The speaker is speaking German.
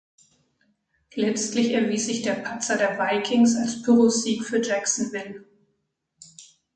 Letztlich erwies sich der Patzer der Vikings als Pyrrhussieg für Jacksonville.